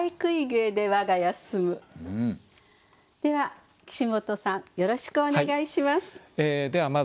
では岸本さんよろしくお願いします。